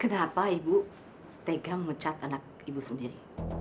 kenapa ibu tega memecat anak ibu sendiri